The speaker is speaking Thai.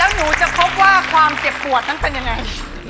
หนูจะพบว่าความเจ็บปวดนั้นเป็นยังไง